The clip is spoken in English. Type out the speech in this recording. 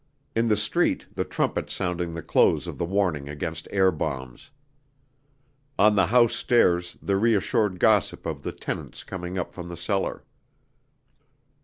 In the street the trumpet sounding the close of the warning against air bombs. On the house stairs the reassured gossip of the tenants coming up from the cellar.